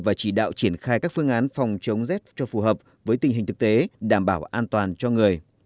và chỉ đạo triển khai các phương án phòng chống rét cho phù hợp với tình hình thực tế đảm bảo an toàn cho người